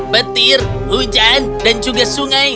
petir hujan dan juga sungai